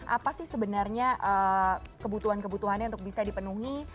apa sih sebenarnya kebutuhan kebutuhannya untuk bisa dipenuhi